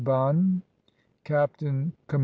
Bonne, "Captain Comm.